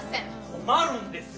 困るんですよ！